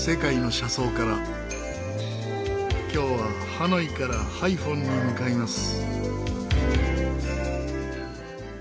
今日はハノイからハイフォンに向かいます。